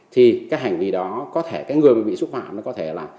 thì cái hành vi đó có thể cái người bị xúc phạm nó có thể là